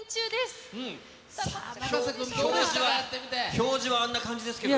表示はあんな感じですけどね。